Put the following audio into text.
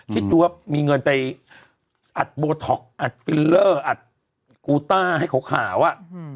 ที่ตัวมีเงินไปอัดโบท็อกอัดฟิลเลอร์อัดกูต้าให้เขาข่าวอะ